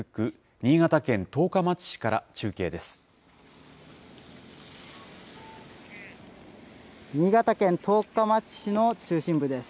新潟県十日町市の中心部です。